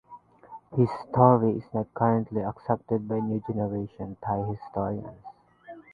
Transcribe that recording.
His story is not currently accepted by new generation Thai historians.